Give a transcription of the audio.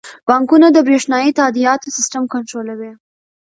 بانکونه د بریښنايي تادیاتو سیستم کنټرولوي.